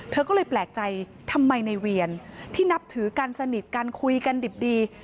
เธอก็เลยแปลกใจทำไมในเวียนที่นับถือกันสนิทกันคุยกันดิบดี